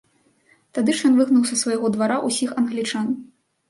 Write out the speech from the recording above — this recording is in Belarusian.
Тады ж ён выгнаў са свайго двара ўсіх англічан.